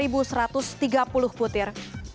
banyak dua satu ratus tiga puluh butir